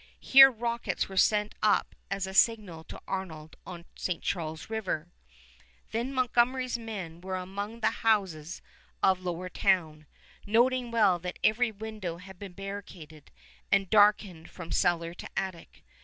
Here rockets were sent up as a signal to Arnold on St. Charles River. Then Montgomery's men were among the houses of Lower Town, noting well that every window had been barricaded and darkened from cellar to attic.